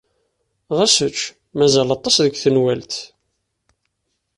Ɣas ečč. Mazal aṭas deg tenwalt.